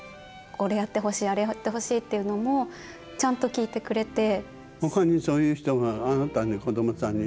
「これやってほしいあれやってほしい」っていうのもちゃんと聞いてくれて。